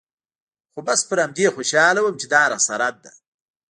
خو بس پر همدې خوشاله وم چې دا راسره ده.